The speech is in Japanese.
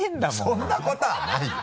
そんなことはないよ！